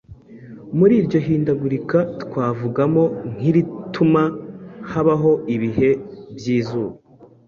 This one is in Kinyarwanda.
Muri iryo hindagurika twavugamo nk’irituma habaho ibihe by’izuba